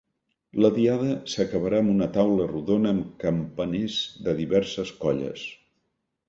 La diada s’acabarà amb una taula rodona amb campaners de diverses colles.